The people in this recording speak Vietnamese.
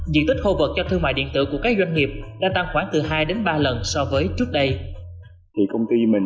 diện tích khu vực cho thương mại điện tử của các doanh nghiệp đã tăng khoảng từ hai đến ba lần so với trước đây